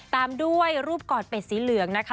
ตามด้วยรูปกอดเป็ดสีเหลืองนะคะ